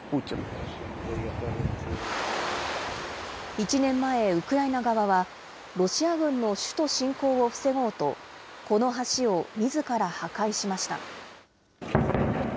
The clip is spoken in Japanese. １年前、ウクライナ側は、ロシア軍の首都侵攻を防ごうと、この橋をみずから破壊しました。